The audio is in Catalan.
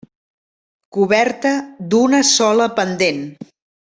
Coberta d'una sola pendent.